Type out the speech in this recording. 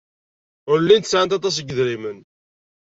Ur llint sɛant aṭas n yedrimen.